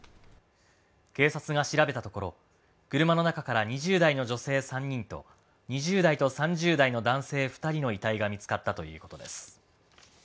警察が調べたところ、車の中から２０代の女性３人と２０代と３０代の男性２人の遺体が見つかったということです。